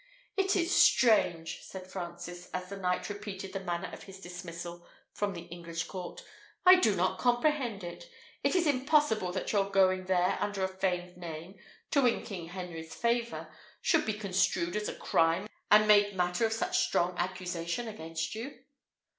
"It is strange!" said Francis, as the knight repeated the manner of his dismissal from the English court; "I do not comprehend it. It is impossible that your going there under a feigned name, to win King Henry's favour, should be construed as a crime and made matter of such strong accusation against you."